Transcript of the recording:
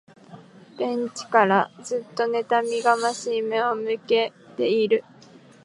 ベンチからずっと恨みがましい目を向けている